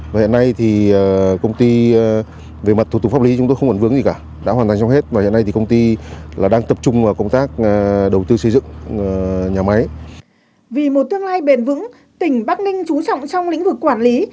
vì một tương lai bền vững tỉnh bắc ninh trú trọng trong lĩnh vực quản lý